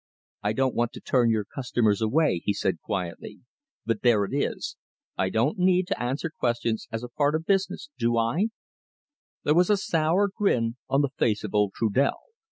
"I don't want to turn your customers away," he said quietly, "but there it is! I don't need to answer questions as a part of the business, do I?" There was a sour grin on the face of old Trudel.